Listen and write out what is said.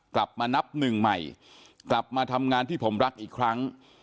กลับมานับหนึ่งใหม่กลับมาทำงานที่ผมรักอีกครั้ง